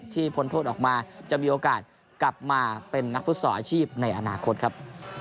พ้นโทษออกมาจะมีโอกาสกลับมาเป็นนักฟุตซอลอาชีพในอนาคตครับ